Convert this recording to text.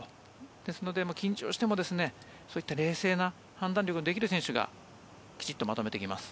ですので、緊張してもそういった冷静な判断力のできる選手がきちっとまとめてきます。